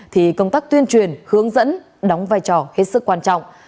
thì công tác tuyên truyền hướng dẫn đóng vai trò hết sức quan trọng